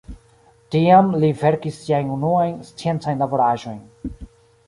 Tiam li verkis siajn unuajn sciencajn laboraĵojn.